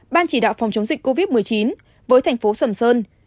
ban chỉ đạo phòng chống dịch covid một mươi chín với thành phố sầm sơn